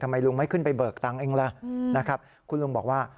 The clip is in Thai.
ทำไมลุงไม่ขึ้นไปเบิกตังค์เองล่ะนะครับคุณลุงบอกว่า